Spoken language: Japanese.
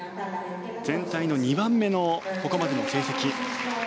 全体の２番目のここまでの成績。